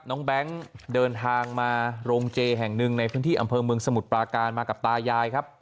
แบงค์เดินทางมาโรงเจแห่งหนึ่งในพื้นที่อำเภอเมืองสมุทรปราการมากับตายายครับ